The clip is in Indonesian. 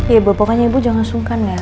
ya bu pokoknya ibu jangan sungkan ya